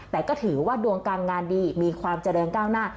แต่ก็ถือว่าดวงการงานดีมีความเจริญก้าวหน้า